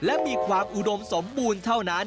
และมีความอุดมสมบูรณ์เท่านั้น